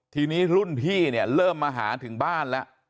ทีนี้รุ่นพี่เนี่ยเริ่มมาหาถึงบ้านแล้ว